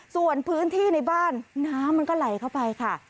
ส่วนพื้นที่ในบ้านน้ำมันก็ไหลเข้าไปค่ะ